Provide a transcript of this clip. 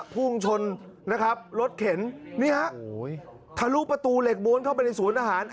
พุ่งชนนะครับรถเข็นนี่ฮะทะลุประตูเหล็กม้วนเข้าไปในศูนย์อาหาร